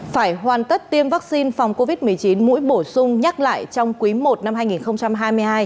phải hoàn tất tiêm vaccine phòng covid một mươi chín mũi bổ sung nhắc lại trong quý i năm hai nghìn hai mươi hai